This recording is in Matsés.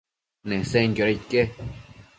Nesenquioda ique?